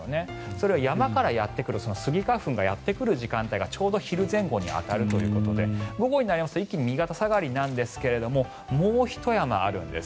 それは、山からやってくるスギ花粉がやってくる時間がちょうど昼前後に当たるということで午後になると一気に右肩下がりなんですがもうひと山あるんです。